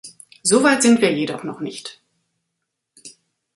Soweit sind wir jedoch noch nicht.